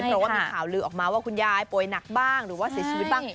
เพราะว่ามีข่าวลือออกมาว่าคุณยายป่วยหนักบ้างหรือว่าเสียชีวิตบ้าง